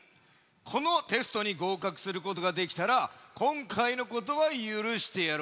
このテストにごうかくすることができたらこんかいのことはゆるしてやろう。